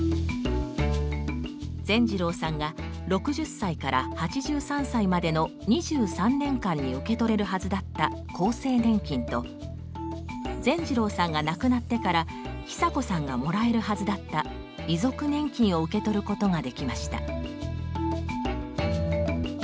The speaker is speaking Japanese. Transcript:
善次郎さんが６０歳から８３歳までの２３年間に受け取れるはずだった厚生年金と善次郎さんが亡くなってからひさこさんがもらえるはずだった遺族年金を受け取ることができました。